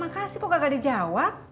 makasih kok gak dijawab